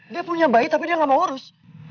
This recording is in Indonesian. dia punya bayi tapi dia nggak mau urus